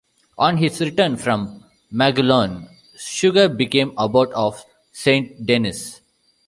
On his return from Maguelonne, Suger became abbot of St-Denis.